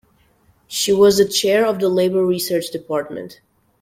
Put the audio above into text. She was the Chair of the Labour Research Department.